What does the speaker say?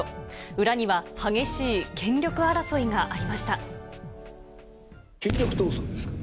裏には、激しい権力争いがありました。